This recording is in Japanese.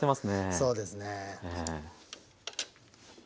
そうですね。